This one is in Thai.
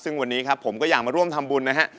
ซึ่งวันนี้ครับผมก็อยากมาร่วมทำบุญนะฮะ